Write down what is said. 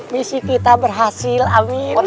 misi kita berhasil amin